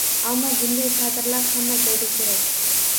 Ammo bunday kadrlar hamma joyda kerak